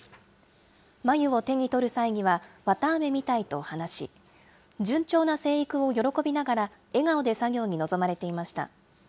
繭を手に取る際には、綿あめみたいと話し、順調な成育を喜びながら、笑顔で作業に臨まれていました。